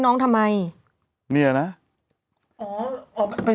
คุณกวนอะไรละครับพี่